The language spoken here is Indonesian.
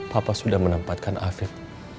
papa sudah menempatkan afif